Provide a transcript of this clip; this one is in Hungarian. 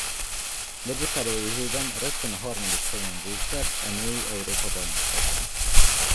Debütáló évében rögtön a harmadik helyen végzett a Női Európa-bajnokságban.